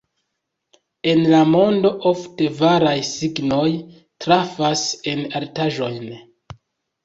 En la mondo ofte varaj signoj trafas en artaĵojn.